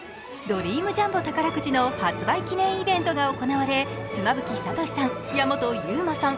ドリームジャンボ宝くじの発売記念イベントが行われ妻夫木聡さん、矢本悠馬さん